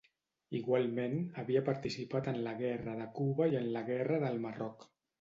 Igualment, havia participat en la guerra de Cuba i en la guerra del Marroc.